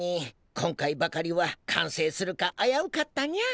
今回ばかりは完成するかあやうかったにゃ！